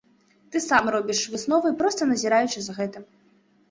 Ты сам робіш высновы, проста назіраючы за гэтым.